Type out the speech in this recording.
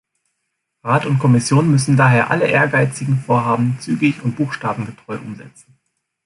Rat und Kommission müssen daher alle ehrgeizigen Vorhaben zügig und buchstabengetreu umsetzen.